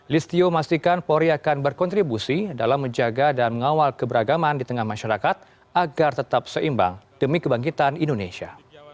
listio memastikan polri akan berkontribusi dalam menjaga dan mengawal keberagaman di tengah masyarakat agar tetap seimbang demi kebangkitan indonesia